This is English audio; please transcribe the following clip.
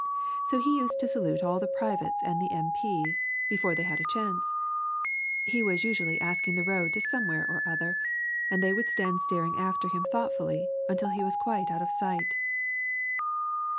So he used to salute all the privates and the M. P.'s before they had a chance. He was usually asking the road to somewhere or other, and they would stand staring after him thoughtfully until he was quite out of sight.